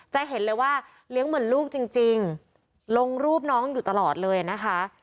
จะเห็นเลยว่าเลี้ยงเหมือนลูกจริงลงรูปน้องอยู่ตลอดเลยนะคะ